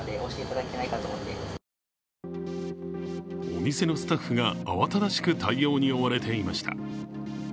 お店のスタッフが慌ただしく対応に追われていました。